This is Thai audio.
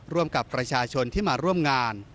ร่วมกับประชาชนที่มาร่วมงาน